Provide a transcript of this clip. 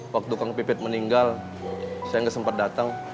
waktu kang pipit meninggal saya nggak sempat datang